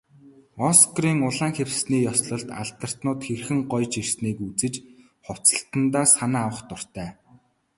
Оскарын улаан хивсний ёслолд алдартнууд хэрхэн гоёж ирснийг үзэж, хувцаслалтдаа санаа авах дуртай.